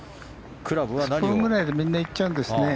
スプーンぐらいでみんな、いっちゃうんですね。